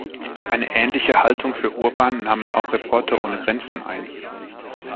Eine ähnliche Haltung für Urban nahmen auch Reporter ohne Grenzen ein.